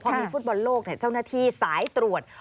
พอมีฟุตบอลโลกเจ้าหน้าที่สายตรวจ